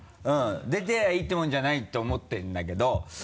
出てりゃいいってもんじゃないて思ってるんだけど。